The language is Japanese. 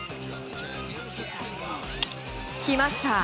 きました！